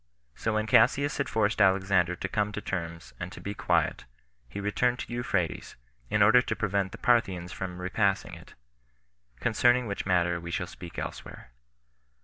So when Cassius had forced Alexander to come to terms and to be quiet, he returned to Euphrates, in order to prevent the Parthians from repassing it; concerning which matter we shall speak elsewhere.